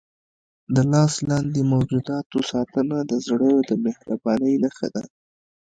د لاس لاندې موجوداتو ساتنه د زړه د مهربانۍ نښه ده.